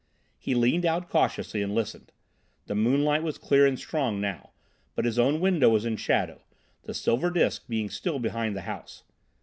He leaned out cautiously and listened. The moonlight was clear and strong now, but his own window was in shadow, the silver disc being still behind the house.